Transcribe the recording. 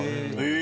え！